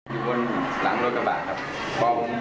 อยู่บนหลังรถกระบะครับ